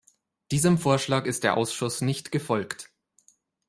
Diesem Vorschlag ist der Ausschuss nicht gefolgt.